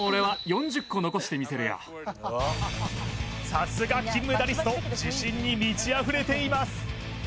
さすが金メダリスト自信に満ちあふれています